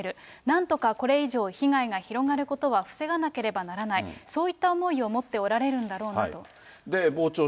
なんとかこれ以上、被害が広がることは防がなければならない、そういった思いを持っておられるんだろうなと。